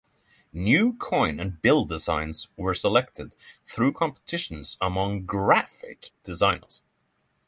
New coin and bill designs were selected through competitions among graphic designers.